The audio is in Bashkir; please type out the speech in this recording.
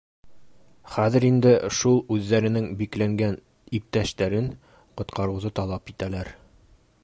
Хәҙер инде шул үҙҙәренең бикләнгән иптәштәрен ҡотҡарыуҙы талап итәләр.